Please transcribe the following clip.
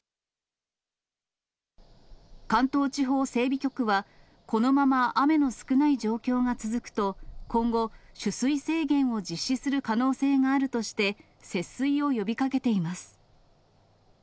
関東地方整備局は、このまま雨の少ない状況が続くと、今後、取水制限を実施する可能性があるとして、節水を呼びかけています。